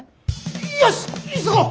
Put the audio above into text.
よし急ごう！